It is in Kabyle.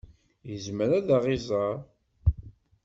Yezmer ad ɣ-iẓer?